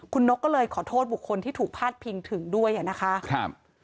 คุณนกก็เลยขอโทษบุคคลที่ถูกพาดพิงถึงด้วยอ่ะนะคะครับ